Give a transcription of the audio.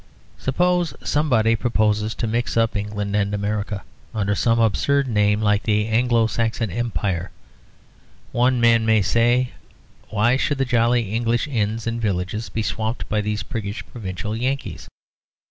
Suppose somebody proposes to mix up England and America, under some absurd name like the Anglo Saxon Empire. One man may say, "Why should the jolly English inns and villages be swamped by these priggish provincial Yankees?"